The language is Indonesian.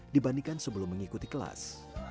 dibandingkan sebelum mengikuti kelas